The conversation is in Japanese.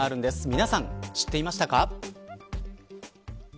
皆さん、知っていましたか。